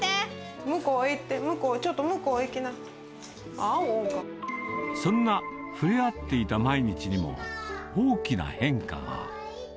向こう行って、向こう、ちょっと、そんな、ふれあっていた毎日にも、大きな変化が。